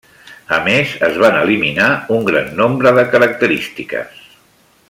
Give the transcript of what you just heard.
A més, es van eliminar un gran nombre de característiques.